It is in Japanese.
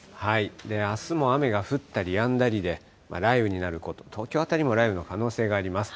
あすも雨が降ったりやんだりで、雷雨になること、東京辺りも雷雨の可能性があります。